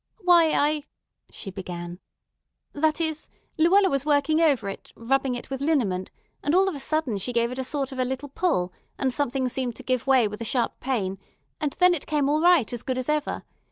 "Why, I——" she began; "that is, Luella was working over it, rubbing it with liniment, and all of a sudden she gave it a sort of a little pull; and something seemed to give way with a sharp pain, and then it came all right as good as ever.